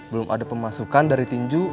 belum ada pemasukan dari tinju